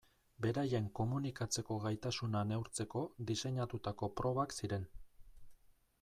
Beraien komunikatzeko gaitasuna neurtzeko diseinatutako probak ziren.